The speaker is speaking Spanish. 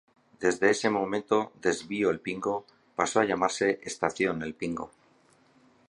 Desde ese momento, "Desvío El Pingo" pasó a llamarse "Estación El Pingo".